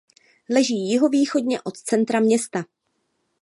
Leží jihovýchodně od centra města.